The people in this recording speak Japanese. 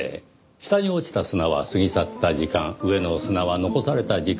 下に落ちた砂は過ぎ去った時間上の砂は残された時間。